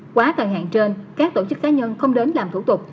quá thời hạn trên các tổ chức cá nhân không đến làm thủ tục